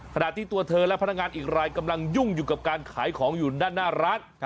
ขณะที่ตัวเธอและพนักงานอีกรายกำลังยุ่งอยู่กับการขายของอยู่ด้านหน้าร้าน